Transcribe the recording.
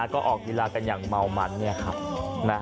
ก็ออกฤลากันอย่างเมามัน